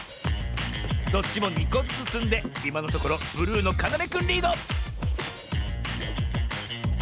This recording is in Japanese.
⁉どっちも２こずつつんでいまのところブルーのかなめくんリード！